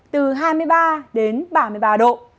từ hai mươi ba đến ba mươi ba độ